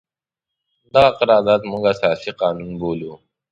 دغه قرارداد موږ اساسي قانون بولو.